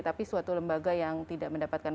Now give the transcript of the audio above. tapi suatu lembaga yang tidak mendapatkan